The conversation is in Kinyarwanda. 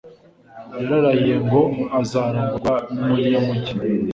yararahiye ngo azarongorwa n'umunyamujyi